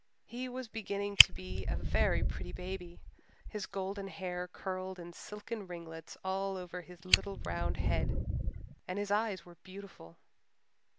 He was beginning to be a very pretty baby; his golden hair curled in silken ringlets all over his little round head and his eyes were beautiful.